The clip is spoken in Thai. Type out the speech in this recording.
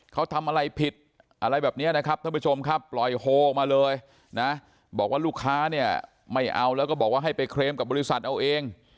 เขาทำอะไรผิดอะไรแบบนี้นะครับท่านผู้ชมครับปล่อยโฮออกมาเลยนะบอกว่าลูกค้าเนี่ยไม่เอาแล้วก็บอกว่าให้ไปเคลมกับบริษัทเอาเอง